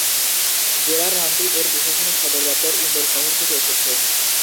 জেলার নামটি এর প্রশাসনিক সদরদপ্তর ইন্দোর শহর থেকে এসেছে।